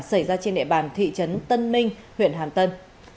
xảy ra trên địa bàn thị trấn tân minh huyện hàm tân